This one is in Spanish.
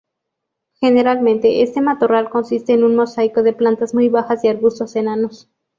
Generalmente este matorral consiste en un mosaico de plantas muy bajas, y arbustos enanos.